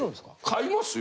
買いますよ！